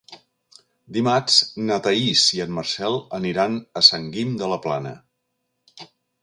Dimarts na Thaís i en Marcel aniran a Sant Guim de la Plana.